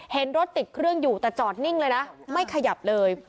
เห็นรถติดเครื่องอยู่แต่จอดนิ่งเลยนะไม่ขยับเลย